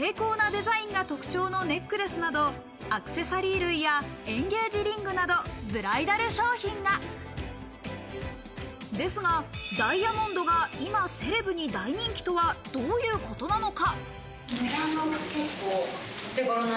精巧なデザインが特徴のネックレスなどアクセサリー類やエンゲージリングなどブライダル商品ですが、ダイヤモンドが今、セレブに大人気とはどういうことなのか？